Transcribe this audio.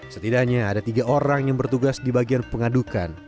setidaknya ada tiga orang yang bertugas di bagian pengadukan